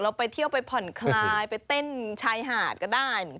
เราไปเที่ยวไปผ่อนคลายไปเต้นชายหาดก็ได้